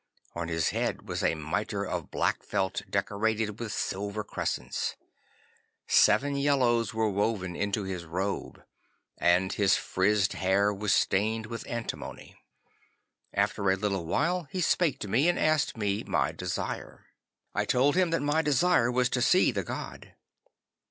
On his head was a mitre of black felt decorated with silver crescents. Seven yellows were woven into his robe, and his frizzed hair was stained with antimony. 'After a little while he spake to me, and asked me my desire. 'I told him that my desire was to see the god.